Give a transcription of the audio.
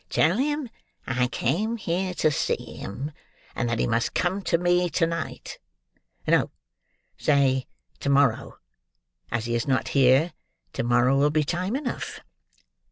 "Tell him I came here to see him; and that he must come to me to night. No, say to morrow. As he is not here, to morrow will be time enough."